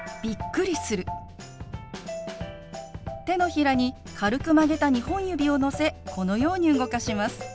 手のひらに軽く曲げた２本指をのせこのように動かします。